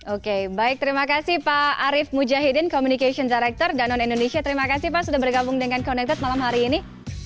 oke baik terima kasih pak arief mujahidin communication director danone indonesia terima kasih pak sudah bergabung dengan connected malam hari ini